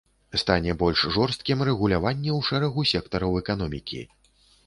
Стане больш жорсткім рэгуляванне ў шэрагу сектараў эканомікі.